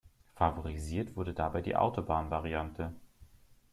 Favorisiert wurde dabei die Autobahn-Variante.